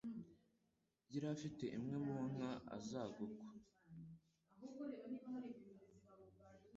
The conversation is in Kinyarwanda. Yari afite imwe mu nka azagukwa.